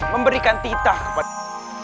memberikan titah kepada